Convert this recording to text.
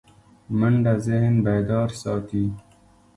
منډه ذهن بیدار ساتي